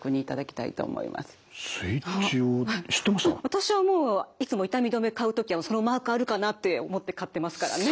私はもういつも痛み止め買う時はそのマークあるかなって思って買ってますからね。